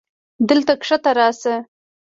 دلته کښته راسه.